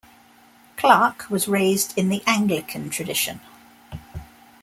Clark was raised in the Anglican tradition.